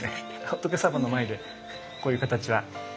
仏様の前でこういう形は。